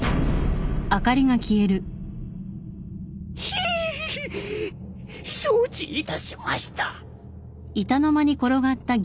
ヒィイィ承知いたしました。